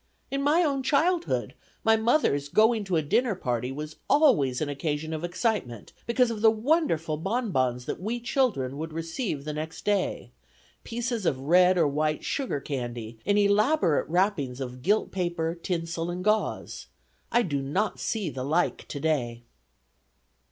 In my own childhood, my mother's going to a dinner party was always an occasion of excitement, because of wonderful bonbons that we children would receive the next day; pieces of red or white sugar candy, in elaborate wrappings of gilt paper, tinsel and gauze: I do not see the like today.